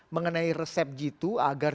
mengenai resep g dua agar